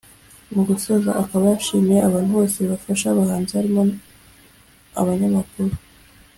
Mu gusoza akababa yashimiye abantu bose bafasha abahanzi harimo abanyamakuru